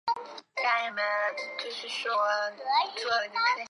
隶属俄罗斯联邦西北部联邦管区阿尔汉格尔斯克州涅涅茨自治区。